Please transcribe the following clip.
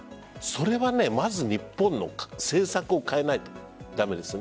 それはまず日本の政策を変えないと駄目です。